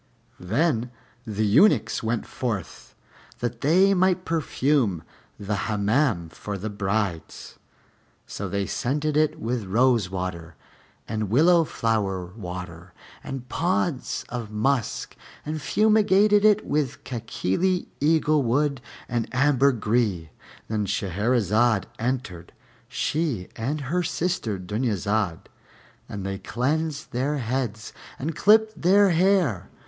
Then the eunuchs went forth that they might perfume the Hammam for the brides; so they scented it with rosewater and willow flower water and pods of musk, and fumigated it with Kákilí eaglewood and ambergris. Then Shahrazad entered, she and her sister Dunyazad, and they cleansed their heads and clipped their hair.